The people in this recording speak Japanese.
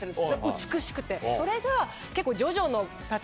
美しくてそれが結構。